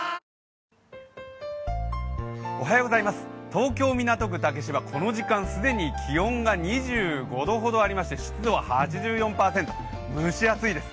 東京・港区竹芝、この時間、既に気温が２５度ほどありまして、湿度は８４％、蒸し暑いです。